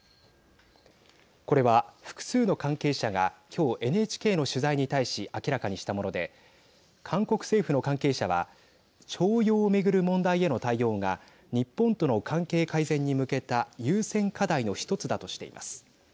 これは複数の関係者がきょう、ＮＨＫの取材に対し明らかにしたもので韓国政府の関係者は徴用を巡る問題への対応が日本との関係改善に向けた優先課題の１つだとしています。